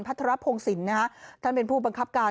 ทรพงศิลปนะฮะท่านเป็นผู้บังคับการ